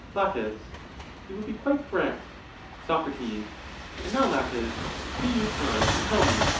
La, You would be quite correct. Soc, And now. Laches, do you try and tell me.